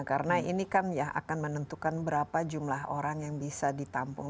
karena ini kan ya akan menentukan berapa jumlah orang yang bisa ditampung